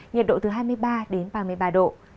nhiệt độ từ hai mươi ba đến ba mươi ba độ